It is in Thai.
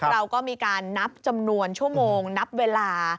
เราก็มีการนับจำนวนชั่วโมงนับเวลา